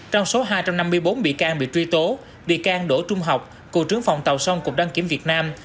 trong số hai trăm năm mươi bốn bị can bị truy tố bị can đỗ trung học cựu trưởng phòng tàu sông cục đăng kiểm việt nam